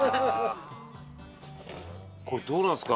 これどうなんですか？